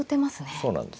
そうなんです。